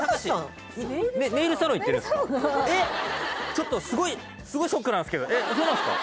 ちょっとすごいすごいショックなんですけどえっそうなんすか？